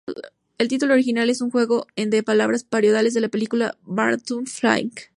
El título original es un juego de palabras parodiando a la película "Barton Fink".